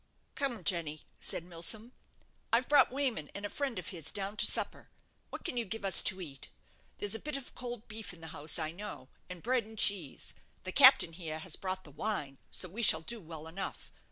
"Come, Jenny," said Milsom; "I've brought Wayman and a friend of his down to supper. What can you give us to eat? There's a bit of cold beef in the house, I know, and bread and cheese; the captain here has brought the wine; so we shall do well enough.